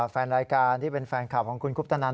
แฟนรายการที่เป็นแฟนคลับของคุณคุปตนัน